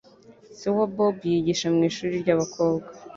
Se wa Bob yigisha mwishuri ryabakobwa.